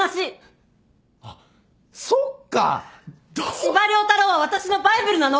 司馬遼太郎は私のバイブルなの！